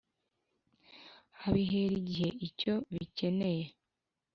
abihera igihe icyo bikeneye.»